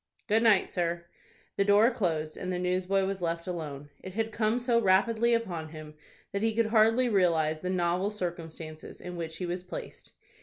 "Good night, sir." The door closed, and the newsboy was left alone. It had come so rapidly upon him, that he could hardly realize the novel circumstances in which he was placed.